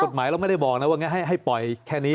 กฎหมายเราไม่ได้บอกนะว่าให้ปล่อยแค่นี้